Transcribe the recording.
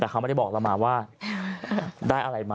แต่เขาไม่ได้บอกเรามาว่าได้อะไรมา